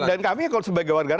dan kami kalau sebagai warganegara